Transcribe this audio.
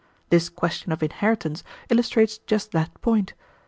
This question of inheritance illustrates just that point.